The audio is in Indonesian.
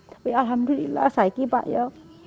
tapi alhamdulillah saya ini pak ya